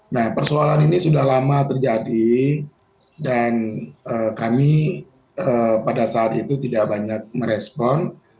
nah persoalan ini sudah lama terjadi dan kami pada saat itu tidak banyak merespon